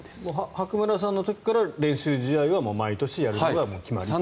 白村さんの時から練習試合は毎年やることは決まっていると。